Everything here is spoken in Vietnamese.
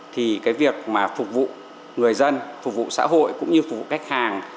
thì cái việc mà phục vụ người dân phục vụ xã hội cũng như phục vụ khách hàng